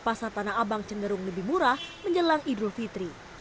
pasar tanah abang cenderung lebih murah menjelang idul fitri